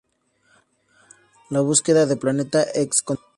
La búsqueda del Planeta X continuó.